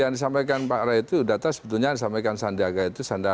yang disampaikan pak ray itu data sebetulnya disampaikan sandiaga itu sandiaga